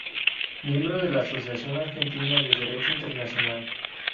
Miembro de la Asociación Argentina de Derecho internacional.